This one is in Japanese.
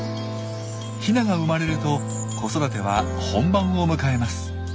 ヒナが生まれると子育ては本番を迎えます。